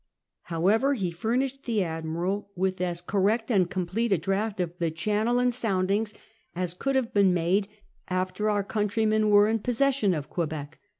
However, he furnished the admiral with as correct Ill FIRST SERVICES 3 * and complete a draught of the channel and soundings as could have been made after our countrymen were in possession of Quebec.